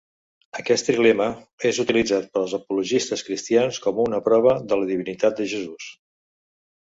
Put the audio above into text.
Aquest trilema és utilitzat pels apologistes cristians com una prova de la divinitat de Jesús.